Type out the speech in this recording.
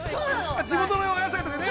地元のお野菜とかね